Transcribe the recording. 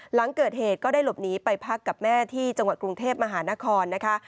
หลังเกิดเหตุก็ได้หลบหนีไปพักกับแม่ที่จังหวัดกรุงเทพมหานครนะคะ